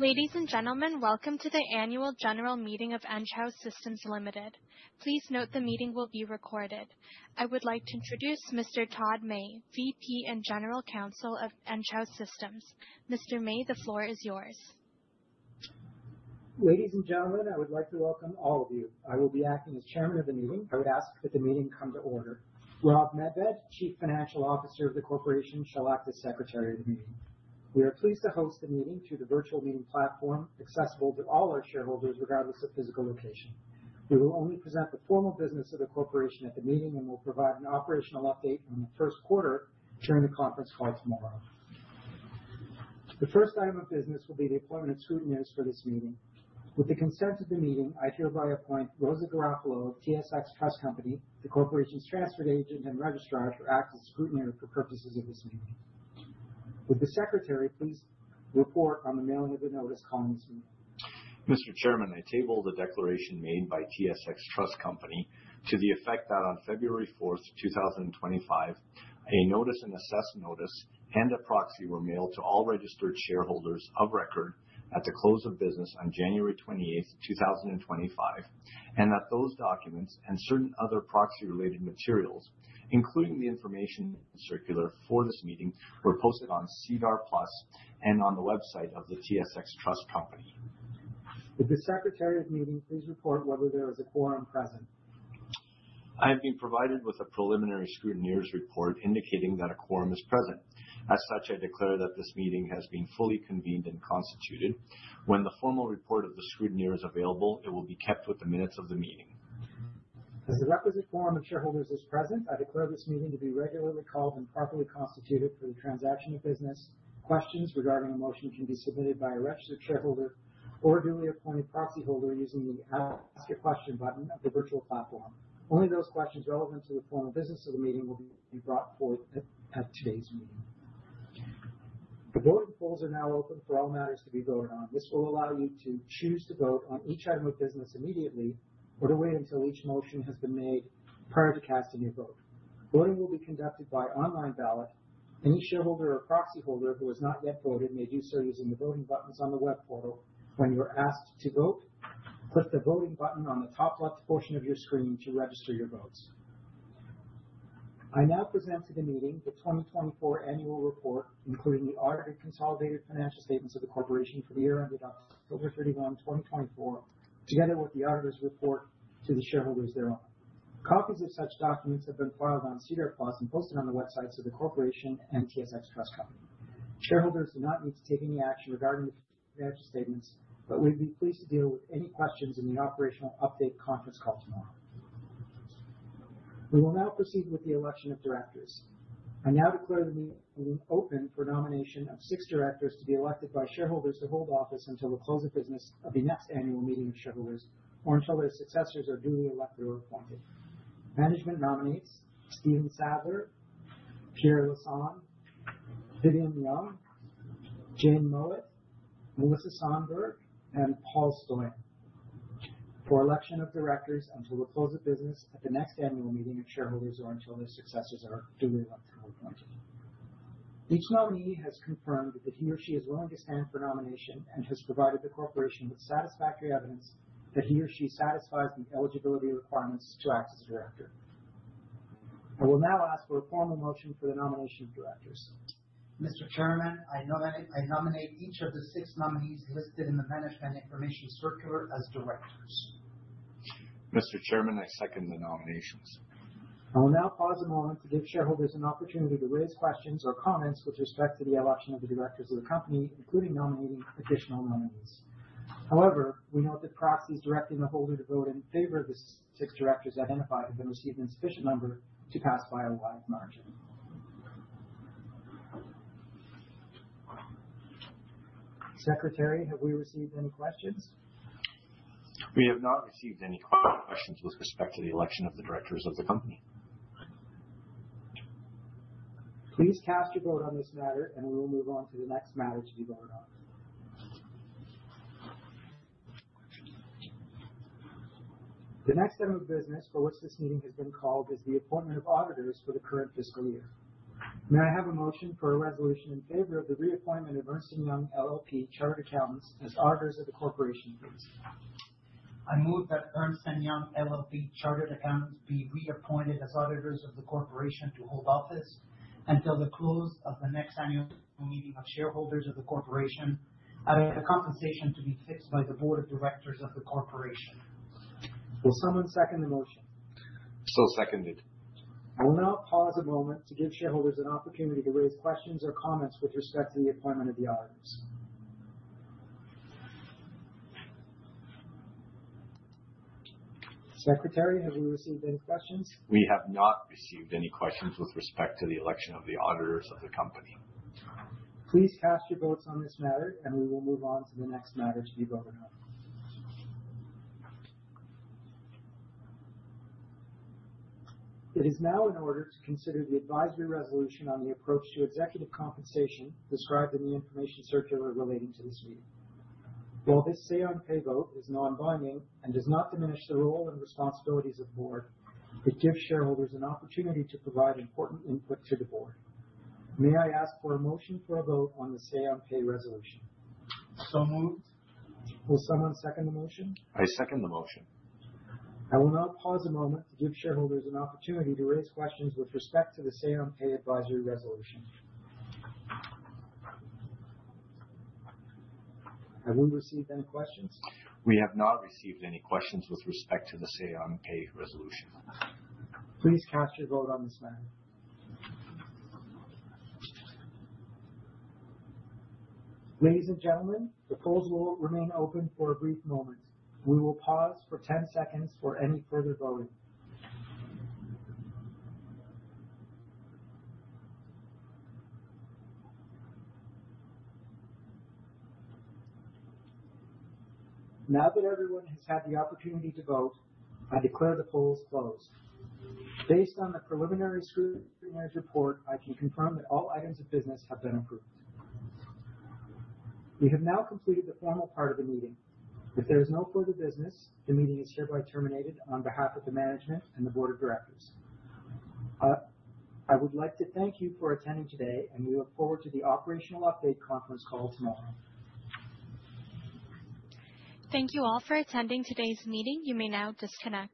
Ladies and gentlemen, welcome to the annual general meeting of Enghouse Systems Ltd. Please note the meeting will be recorded. I would like to introduce Mr. Todd May, VP and General Counsel of Enghouse Systems Ltd. Mr. May, the floor is yours. Ladies and gentlemen, I would like to welcome all of you. I will be acting as Chairman of the Meeting. I would ask that the meeting come to order. Rob Medved, Chief Financial Officer of the corporation, shall act as Secretary of the Meeting. We are pleased to host the meeting through the virtual meeting platform accessible to all our shareholders regardless of physical location. We will only present the formal business of the corporation at the meeting and will provide an operational update on the first quarter during the conference call tomorrow. The first item of business will be the appointment of scrutineers for this meeting. With the consent of the meeting, I hereby appoint Rosa Garofalo, TSX Trust Company, the corporation's transfer agent and registrar, to act as a scrutineer for purposes of this meeting. Would the secretary please report on the mailing of the notice calling this meeting? Mr. Chairman, I table the declaration made by TSX Trust Company to the effect that on February 4th, 2025, a Notice-and-Access notice and a proxy were mailed to all registered shareholders of record at the close of business on January 28th, 2025, and that those documents and certain other proxy-related materials, including the information circular for this meeting, were posted on SEDAR+ and on the website of the TSX Trust Company. Would the secretary of the meeting please report whether there is a quorum present? I have been provided with a preliminary scrutineer's report indicating that a quorum is present. As such, I declare that this meeting has been fully convened and constituted. When the formal report of the scrutineer is available, it will be kept with the minutes of the meeting. As the requisite quorum of shareholders is present, I declare this meeting to be regularly called and properly constituted for the transaction of business. Questions regarding a motion can be submitted by a registered shareholder or duly appointed proxy holder using the Ask a Question button of the virtual platform. Only those questions relevant to the formal business of the meeting will be brought forth at today's meeting. The voting polls are now open for all matters to be voted on. This will allow you to choose to vote on each item of business immediately or to wait until each motion has been made prior to casting your vote. Voting will be conducted by online ballot. Any shareholder or proxyholder who has not yet voted may do so using the voting buttons on the web portal. When you are asked to vote, click the voting button on the top left portion of your screen to register your votes. I now present to the meeting the 2024 annual report, including the audited consolidated financial statements of the corporation for the year ended October 31, 2024, together with the auditor's report to the shareholders thereof. Copies of such documents have been filed on SEDAR+ and posted on the websites of the corporation and TSX Trust Company. Shareholders do not need to take any action regarding the financial statements, but we'd be pleased to deal with any questions in the operational update conference call tomorrow. We will now proceed with the election of directors. I now declare the meeting open for nomination of six directors to be elected by shareholders to hold office until the close of business of the next annual meeting of shareholders or until their successors are duly elected or appointed. Management nominates Stephen Sadler, Pierre Lassonde, Vivian Young, Jane Mowat, Melissa Sonberg, and Paul Stoyan for election of directors until the close of business at the next annual meeting of shareholders or until their successors are duly elected or appointed. Each nominee has confirmed that he or she is willing to stand for nomination and has provided the corporation with satisfactory evidence that he or she satisfies the eligibility requirements to act as a director. I will now ask for a formal motion for the nomination of directors. Mr. Chairman, I nominate each of the six nominees listed in the management information circular as directors. Mr. Chairman, I second the nominations. I will now pause a moment to give shareholders an opportunity to raise questions or comments with respect to the election of the directors of the company, including nominating additional nominees. However, we note that proxies directing the holder to vote in favor of the six directors identified have been received in sufficient number to pass by a wide margin. Secretary, have we received any questions? We have not received any questions with respect to the election of the directors of the company. Please cast your vote on this matter, and we will move on to the next matter to be voted on. The next item of business for which this meeting has been called is the appointment of auditors for the current fiscal year. May I have a motion for a resolution in favor of the reappointment of Ernst & Young LLP Chartered Accountants as auditors of the corporation, please? I move that Ernst & Young LLP Chartered Accountants be reappointed as auditors of the corporation to hold office until the close of the next annual meeting of shareholders of the corporation, adding a compensation to be fixed by the board of directors of the corporation. Will someone second the motion? So seconded. I will now pause a moment to give shareholders an opportunity to raise questions or comments with respect to the appointment of the auditors. Secretary, have we received any questions? We have not received any questions with respect to the election of the auditors of the company. Please cast your votes on this matter, and we will move on to the next matter to be voted on. It is now in order to consider the advisory resolution on the approach to executive compensation described in the information circular relating to this meeting. While this Say-on-Pay vote is non-binding and does not diminish the role and responsibilities of the board, it gives shareholders an opportunity to provide important input to the board. May I ask for a motion for a vote on the Say-on-Pay resolution? So moved. Will someone second the motion? I second the motion. I will now pause a moment to give shareholders an opportunity to raise questions with respect to the Say-on-Pay advisory resolution. Have we received any questions? We have not received any questions with respect to the Say-on-Pay resolution. Please cast your vote on this matter. Ladies and gentlemen, the polls will remain open for a brief moment. We will pause for 10 seconds for any further voting. Now that everyone has had the opportunity to vote, I declare the polls closed. Based on the preliminary scrutineer's report, I can confirm that all items of business have been approved. We have now completed the formal part of the meeting. If there is no further business, the meeting is hereby terminated on behalf of the management and the board of directors. I would like to thank you for attending today, and we look forward to the operational update conference call tomorrow. Thank you all for attending today's meeting. You may now disconnect.